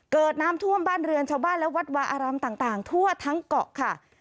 เกิดน้ำท่วมบ้านเรือนชาวบ้านและวัดวาอารามต่างทั่วทั้งเกาะค่ะ